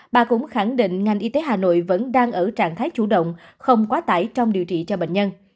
bà cũng khẳng định ngành y tế hà nội vẫn đang ở trạng thái chủ động không quá tải trong điều trị cho bệnh nhân